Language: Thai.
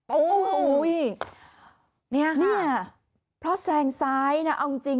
โอ้โหเนี่ยเพราะแซงซ้ายนะเอาจริงจริง